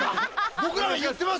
僕らが言ってます